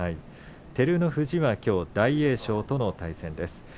照ノ富士は、きょう大栄翔との対戦です。